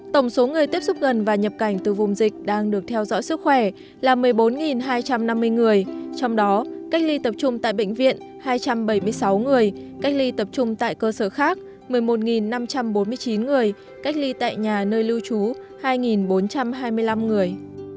tổng số người tiếp xúc gần và nhập cảnh từ vùng dịch đang được theo dõi sức khỏe là một mươi bốn hai trăm năm mươi người trong đó cách ly tập trung tại bệnh viện hai trăm bảy mươi sáu người cách ly tập trung tại cơ sở khác một mươi một năm trăm bốn mươi chín người cách ly tại nhà nơi lưu trú hai bốn trăm hai mươi năm người